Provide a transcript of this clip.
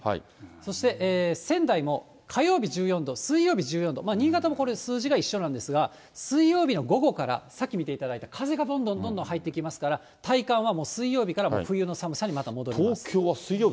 そして仙台も火曜日１４度、水曜日１４度、新潟も数字が一緒なんですが、水曜日の午後からさっき見ていただいた風がどんどんどんどん入ってきますから、体感はもう水曜日から冬の寒さに戻ります。